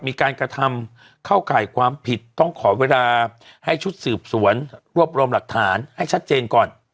มีการกระทำเข้าข่ายความผิดต้องขอเวลาให้ชุดสืบสวนรวบรวมหลักฐานให้ชัดเจนก่อน